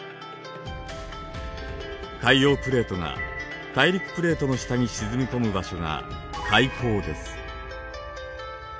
海洋プレートが大陸プレートの下に沈み込む場所が海溝です。